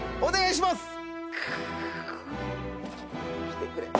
お願いします。